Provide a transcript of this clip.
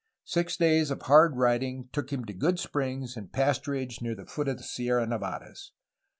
Six days of hard riding took him to good springs and pasturage near the foot of the Sierra Nevadas.